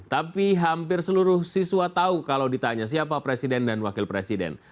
tapi hampir seluruh siswa tahu kalau ditanya siapa presiden dan wakil presiden